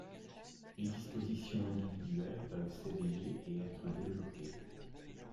Les dispositions individuelles peuvent s'éveiller et être développées.